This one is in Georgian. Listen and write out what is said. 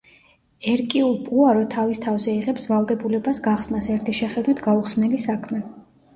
ერკიულ პუარო თავის თავზე იღებს ვალდებულებას გახსნას ერთი შეხედვით გაუხსნელი საქმე.